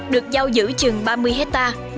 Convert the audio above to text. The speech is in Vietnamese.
được giao giữ chừng ba mươi hectare